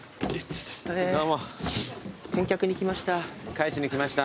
返しに来ました。